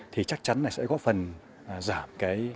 thì chắc chắn sẽ có phần giảm